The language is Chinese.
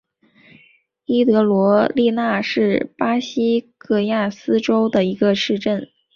伊德罗利纳是巴西戈亚斯州的一个市镇。